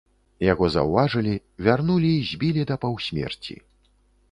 Яго заўважылі, вярнулі і збілі да паўсмерці.